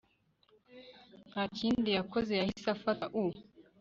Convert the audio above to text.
ntakindi yakoze yahise afata u